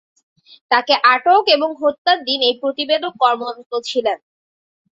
তাকে আটক এবং হত্যার দিন এই প্রতিবেদক কর্মরত ছিলেন।